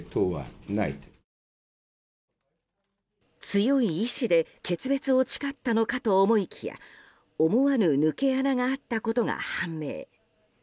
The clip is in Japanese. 強い意志で決別を誓ったのかと思いきや思わぬ抜け穴があったことが判明。